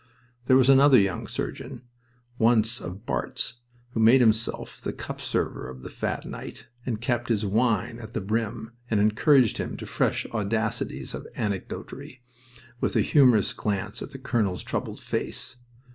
There was another young surgeon, once of Barts', who made himself the cup server of the fat knight and kept his wine at the brim, and encouraged him to fresh audacities of anecdotry, with a humorous glance at the colonel's troubled face...